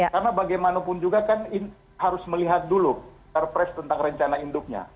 karena bagaimanapun juga kan harus melihat dulu terpres tentang rencana induknya